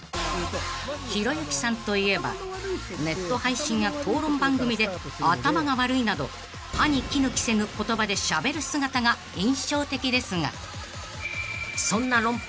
［ひろゆきさんといえばネット配信や討論番組で「頭が悪い」など歯に衣着せぬ言葉でしゃべる姿が印象的ですがそんな論破